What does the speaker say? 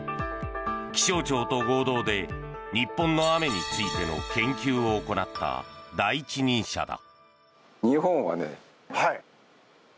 気象庁と合同で日本の雨についての研究を行った第一人者だ。